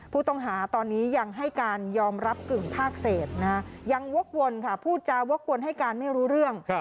ผู้ต้องหาตอนนี้ยังให้การยอมรับกึ่งพากเศษยังวกวนค่ะพูดจาวกวนให้การไม่รู้เรื่อง